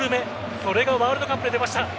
それがワールドカップで出ました。